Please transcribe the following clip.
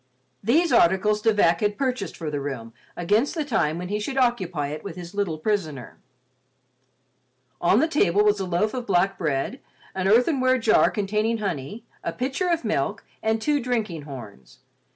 These articles De Vac had purchased for the room against the time when he should occupy it with his little prisoner. On the table were a loaf of black bread, an earthenware jar containing honey, a pitcher of milk and two drinking horns.